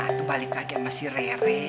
atau balik lagi sama si rere